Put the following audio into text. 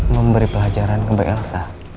memberi pelajaran ke mbak elsa